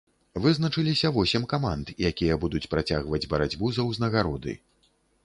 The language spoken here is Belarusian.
Вызначыліся восем каманд, якія будуць працягваць барацьбу за ўзнагароды.